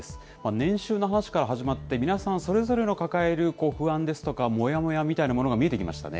年収の話から始まって、皆さん、それぞれの抱える不安ですとか、もやもやみたいなものが見えてきましたね。